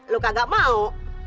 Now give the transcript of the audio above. lu kagak mau